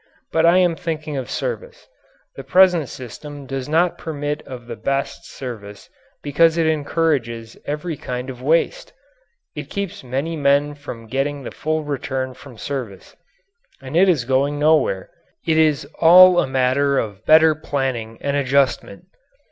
But I am thinking of service. The present system does not permit of the best service because it encourages every kind of waste it keeps many men from getting the full return from service. And it is going nowhere. It is all a matter of better planning and adjustment.